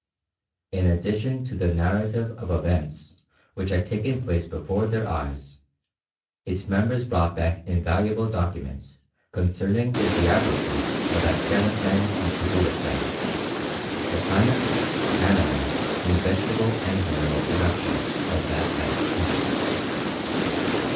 In addition to the narrative of events which had taken place before their eyes, its members brought back invaluable documents concerning the geography of Afghanistan and Cabulistan, the climate, animals, and vegetable and mineral productions of that vast country.